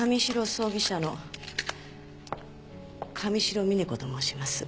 葬儀社の神城峰子と申します。